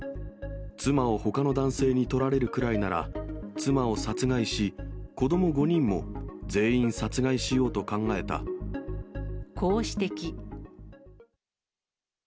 妻をほかの男性に取られるくらいなら、妻を殺害し、子ども５人も全員殺害しようと考えた。